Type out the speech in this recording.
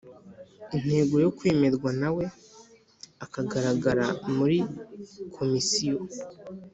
intego yo kwemerwa na we akagaragara muri komisiyo